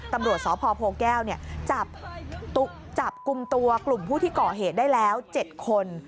ตำรวจสพโพแก้วจับกลุ่มตัวกลุ่มผู้ที่ก่อเหตุได้แล้ว๗คน